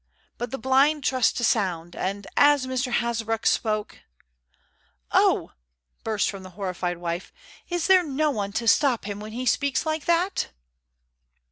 But the blind trust to sound, and as Mr. Hasbrouck spoke " "Oh!" burst from the horrified wife, "is there no one to stop him when he speaks like that?"